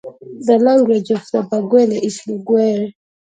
The language of the Bagwere is Lugwere.